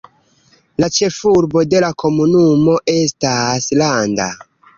La ĉefurbo de la komunumo estas Landa.